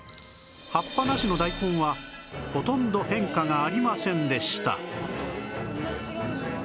葉っぱなしの大根はほとんど変化がありませんでした